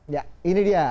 ya ini dia